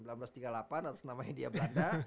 atas namanya dia belanda